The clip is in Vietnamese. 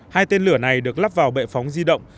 hai tên lửa này được lắp vào bệ phóng di động